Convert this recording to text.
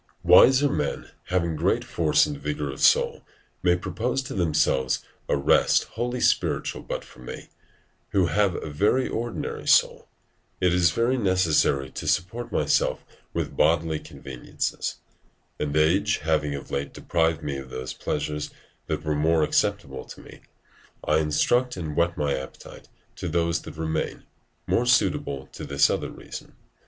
Horace, Ep., i. 4, 4.] Wiser men, having great force and vigour of soul, may propose to themselves a rest wholly spiritual but for me, who have a very ordinary soul, it is very necessary to support myself with bodily conveniences; and age having of late deprived me of those pleasures that were more acceptable to me, I instruct and whet my appetite to those that remain, more suitable to this other reason.